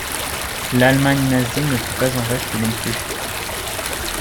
L'Allemagne nazie ne fut pas en reste non plus.